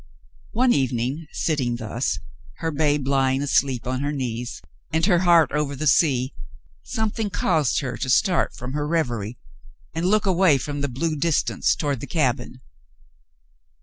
One evening sitting thus, her babe lying asleep on her knees and her heart over the sea, something caused her to start from her revery and look away from the blue dis tance, toward the cabin.